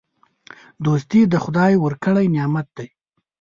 دوستي د خدای ورکړی نعمت دی.